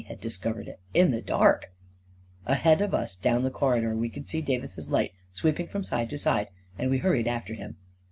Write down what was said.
had discovered it, in the dark ... Ahead of us, down the corridor, we could see Davis's light sweeping from side to side, and we hurried after him.